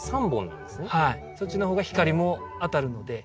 そっちのほうが光も当たるので。